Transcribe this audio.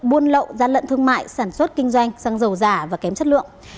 buôn lậu gian lận thương mại sản xuất kinh doanh xăng dầu giả và kém chất lượng